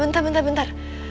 bentar bentar bentar